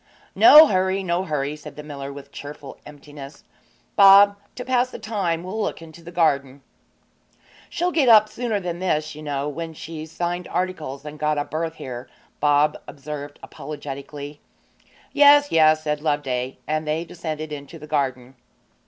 'No hurry, no hurry,' said the miller, with cheerful emptiness. 'Bob, to pass the time we'll look into the garden.' 'She'll get up sooner than this, you know, when she's signed articles and got a berth here,' Bob observed apologetically. 'Yes, yes,' said Loveday; and they descended into the garden.